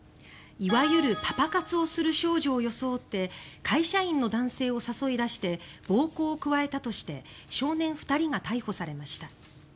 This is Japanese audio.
いわゆるパパ活をする少女を装って会社員の男性を誘い出して暴行を加えたとして少年２人が逮捕されました。